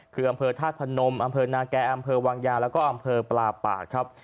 คืออำเภอธาตุพนมอำเภอนาแก่อำเภอวังยาแล้วก็อำเภอปลาปากครับ